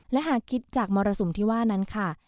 และหากคิดจากมรสุมที่ว่านั้นค่ะ